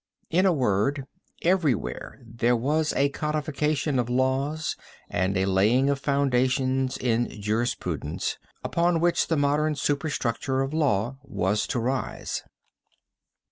In a word, everywhere there was a codification of laws and a laying of foundations in jurisprudence, upon which the modern superstructure of law was to rise.